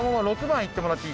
６番だって。